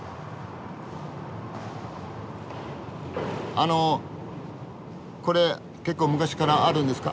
あのこれ結構昔からあるんですか？